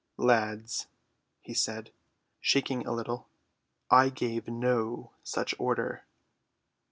"Lads," he said, shaking a little, "I gave no such order."